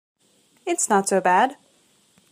It's not so bad.